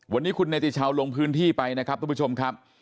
วันนี้คุณเนติชาวลงพื้นที่ไปนะครับทุกผู้ชมครับ